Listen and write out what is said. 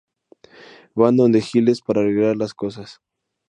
Van donde Giles para arreglar las cosas.